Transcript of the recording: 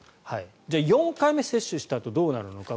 ４回目接種したあとどうなるのか。